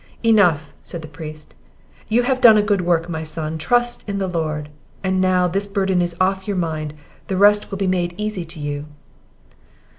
"Enough," said the priest; "you have done a good work, my son! trust in the Lord; and, now this burden is off your mind, the rest will be made easy to you."